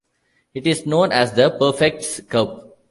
It is known as the Prefect's Cup.